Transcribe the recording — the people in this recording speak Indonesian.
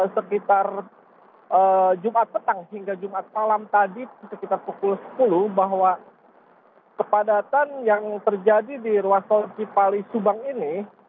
sekitar jumat petang hingga jumat malam tadi sekitar pukul sepuluh bahwa kepadatan yang terjadi di ruas tol cipali subang ini